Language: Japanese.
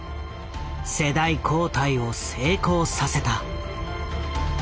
世代交代を成功させた。